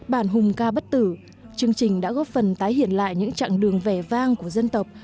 bản hùng ca bất tử chương trình đã góp phần tái hiện lại những chặng đường vẻ vang của dân tộc